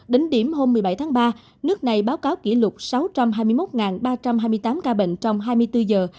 đến điểm hôm một mươi bảy tháng ba nước này báo cáo kỷ lục sáu trăm hai mươi một ba trăm hai mươi tám ca bệnh trong hai mươi bốn giờ